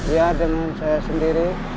iya dengan saya sendiri